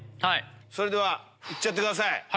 それではいっちゃってください。